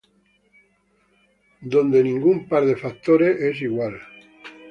Donde ningún par de factores es igual.